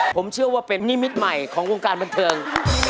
ผมเชื่อว่าเป็นนิมิตใหม่ของวงการบันเทิง